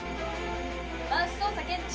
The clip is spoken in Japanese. マウス操作検知。